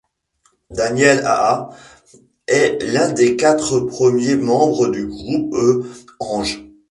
Daniel Haas est l'un des quatre premiers membres du groupe Ange.